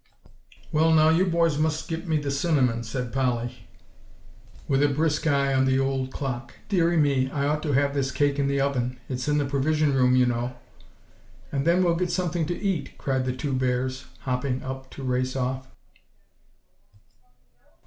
"Well, now you boys must get me the cinnamon," said Polly, with a brisk eye on the old clock. "Deary me, I ought to have this cake in the oven it's in the Provision Room, you know." "And then we'll get something to eat," cried the two bears, hopping up to race off.